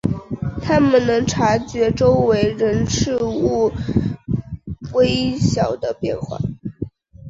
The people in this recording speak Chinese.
他们能察觉周围人事物微小的变化。